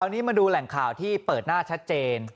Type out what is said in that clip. วันนี้มาดูแหล่งข่าวที่เปิดหน้าชัดเจน